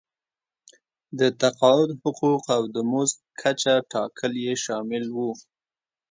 د تقاعد حقوق او د مزد کچه ټاکل یې شامل وو.